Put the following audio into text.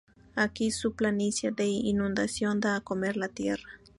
Aquí, su planicie de inundación da a comer la tierra.